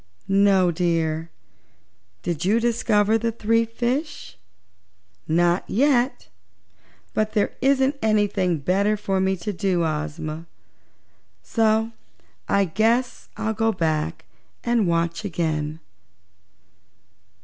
"No, dear. Did you discover the three fishes?" "Not yet. But there isn't anything better for me to do, Ozma, so I guess I'll go back and watch again."